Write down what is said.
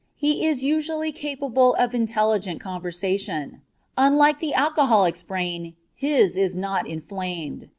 He is usually capable of intelligent conversation. Unlike the alcoholic's brain, his is not inflamed.